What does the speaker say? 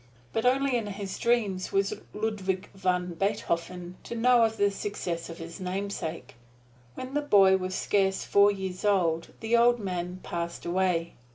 But only in his dreams was Ludvig van Biethofen to know of the success of his namesake. When the boy was scarce four years old, the old man passed away.